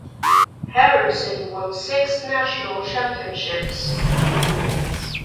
Harrison won six national championships.